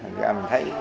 thì mình thấy